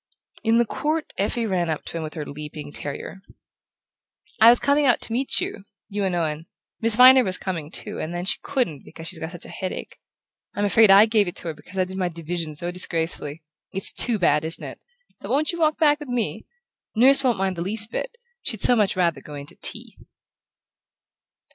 In the court Effie ran up to him with her leaping terrier. "I was coming out to meet you you and Owen. Miss Viner was coming, too, and then she couldn't because she's got such a headache. I'm afraid I gave it to her because I did my division so disgracefully. It's too bad, isn't it? But won't you walk back with me? Nurse won't mind the least bit; she'd so much rather go in to tea."